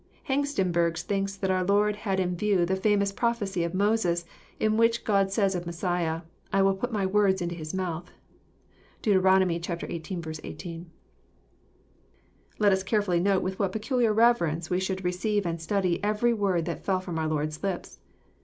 " Hengstenberg thinks that our Lord had in view the famous prophecy of Moses in which God says of Messiah, —I will put my words in his mouth." (Deut. xviii. 18.) Let us careftilly note with what peculiar reverence we should receive and study every word that fell ftom our Lord's lips.